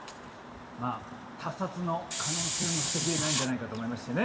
まあ他殺の可能性も捨てきれないんじゃないかと思いましてね。